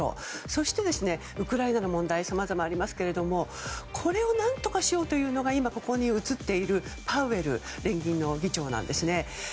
そして、ウクライナの問題さまざまありますけどこれを何とかしようというのが今ここに映っているパウエル議長なんですね。